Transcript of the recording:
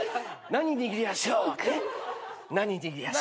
何握りやしょう？